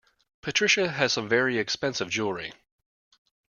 Patricia has some very expensive jewellery